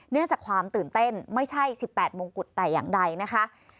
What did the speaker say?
จากความตื่นเต้นไม่ใช่๑๘มงกุฎแต่อย่างใดนะคะ